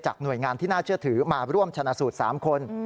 หน่วยงานที่น่าเชื่อถือมาร่วมชนะสูตร๓คน